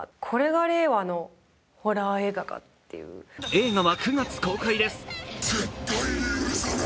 映画は９月公開です。